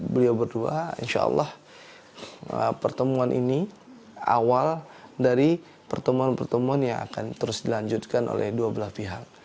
beliau berdua insya allah pertemuan ini awal dari pertemuan pertemuan yang akan terus dilanjutkan oleh dua belah pihak